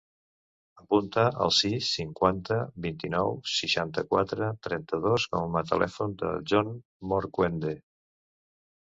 Apunta el sis, cinquanta, vint-i-nou, seixanta-quatre, trenta-dos com a telèfon del John Morcuende.